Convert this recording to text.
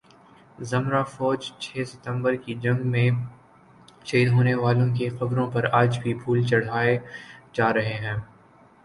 ذمرہ فوج چھ ستمبر کی جنگ میں شہید ہونے والوں کی قبروں پر آج بھی پھول چڑھائے جا رہے ہیں